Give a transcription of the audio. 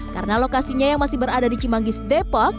karena lokasinya yang masih berada di cimanggis depok